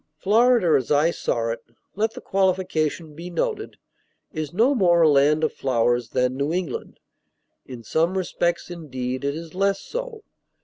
Florida as I saw it (let the qualification be noted) is no more a land of flowers than New England. In some respects, indeed, it is less so.